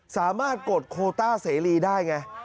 สามารถกดโคต้าเสรีได้ไง